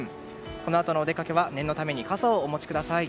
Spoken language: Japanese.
このあとのお出かけは念のために傘をお持ちください。